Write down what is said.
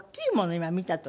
今見た時。